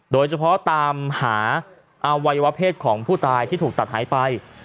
โดยเฉพาะตามหาอวัยวะเพศของผู้ตายที่ถูกตัดหายไป